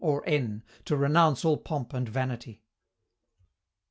or N." To renounce all pomp and vanity.